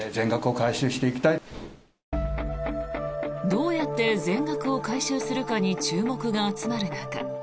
どうやって全額を回収するかに注目が集まる中